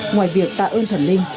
ngoài việc tạ ơn thần linh